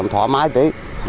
thoải mái tí